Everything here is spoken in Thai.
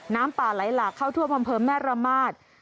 น้ำป่าไหลหลากเข้าท่วมอำเภอแม่ระมาท